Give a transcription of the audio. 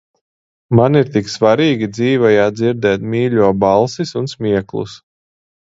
Man ir tik svarīgi dzīvajā dzirdēt mīļo balsis un smieklus.